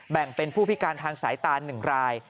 แบ่งเป็นผู้พิการทางสายตา๑ราย